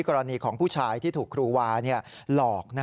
กรณีของผู้ชายที่ถูกครูวาหลอก